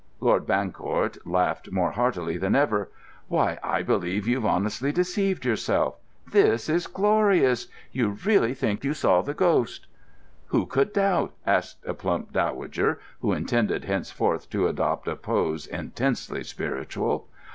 Lord Bancourt laughed more heartily than ever. "Why, I believe you've honestly deceived yourselves! This is glorious! You really think you saw the ghost!" "Who could doubt?" asked a plump dowager, who intended henceforth to adopt a pose intensely spiritual.